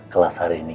kelas hari ini